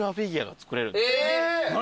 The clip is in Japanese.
何？